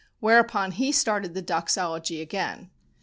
whereupon he started the doxology again.